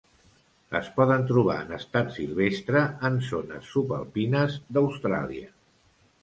Es poden trobar en estat silvestre en zones subalpines d'Austràlia.